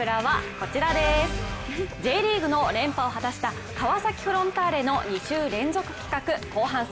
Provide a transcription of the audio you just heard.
Ｊリーグの連覇を果たして川崎フロンターレの２週連続企画の後半戦。